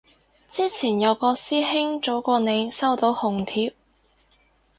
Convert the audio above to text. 之前有個師兄早過你收到紅帖